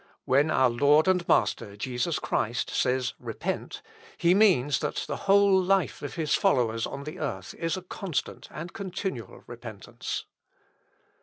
"When our Lord and Master Jesus Christ says 'repent,' he means that the whole life of his followers on the earth is a constant and continual repentance.